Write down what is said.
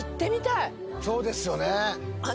そうですよね。